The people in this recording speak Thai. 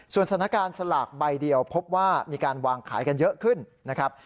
สถานการณ์สลากใบเดียวพบว่ามีการวางขายกันเยอะขึ้นนะครับ